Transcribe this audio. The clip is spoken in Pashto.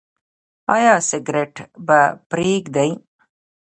ایا سګرټ به پریږدئ؟